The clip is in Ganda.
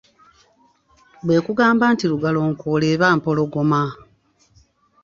Bwe nkugamba nti Lugalonkoola eba Mpologoma.